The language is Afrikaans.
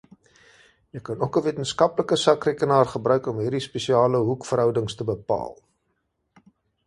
Jy kan ook 'n wetenskaplike sakrekenaar gebruik om hierdie spesiale hoekverhoudings te bepaal.